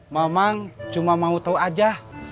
mamang cuma mau tau aja